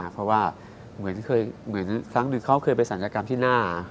เพราะว่าเหมือนครั้งหนึ่งเขาเคยไปศัลยกรรมที่หน้า